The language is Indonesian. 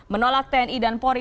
menolak tni dan pori